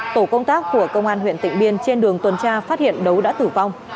tổ công tác của công an huyện tịnh biên trên đường tuần tra phát hiện đấu đã tử vong